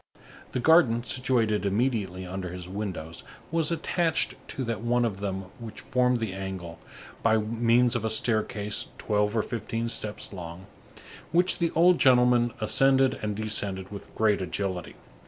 The garden situated immediately under his windows was attached to that one of them which formed the angle, by means of a staircase twelve or fifteen steps long, which the old gentleman ascended and descended with great agility.